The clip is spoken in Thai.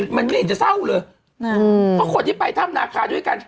ไม่ได้เลิกหรอกเอาความจริง